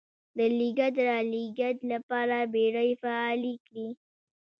د لېږد رالېږد لپاره بېړۍ فعالې کړې.